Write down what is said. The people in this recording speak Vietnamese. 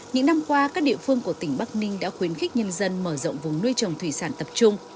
những năm qua các địa phương của tỉnh bắc ninh đã khuyến khích nhân dân mở rộng vùng nuôi trồng thủy sản tập trung